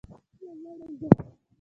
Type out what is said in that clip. هیله مه ړنګوئ